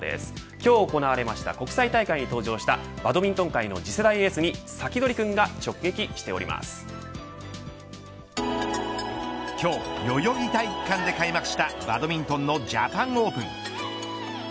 今日行われました国際大会に登場したバトミントン界の次世代エースにサキドリくんが今日、代々木体育館で開幕したバドミントンのジャパンオープン。